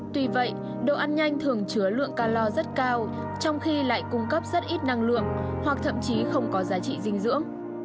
tuy vậy đồ ăn nhanh thường chứa lượng calor rất cao trong khi lại cung cấp rất ít năng lượng hoặc thậm chí không có giá trị dinh dưỡng